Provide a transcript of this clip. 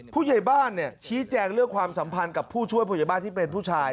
ผู้ใหญ่บ้านชี้แจงเรื่องความสัมพันธ์กับผู้ช่วยผู้ใหญ่บ้านที่เป็นผู้ชาย